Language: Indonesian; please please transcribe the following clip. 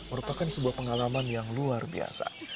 merupakan sebuah pengalaman yang luar biasa